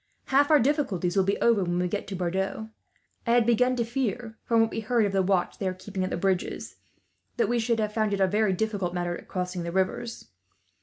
"Half our difficulties will be over, when we get to Bordeaux. I had begun to fear, from what we heard of the watch they are keeping at the bridges, that we should have found it a very difficult matter crossing the rivers.